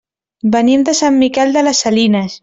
Venim de Sant Miquel de les Salines.